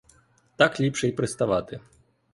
Так ліпше й приставати.